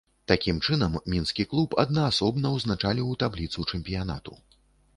Такім чынам, мінскі клуб аднаасобна ўзначаліў табліцу чэмпіянату.